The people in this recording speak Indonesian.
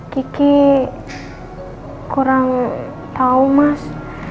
kiki kurang tahu mas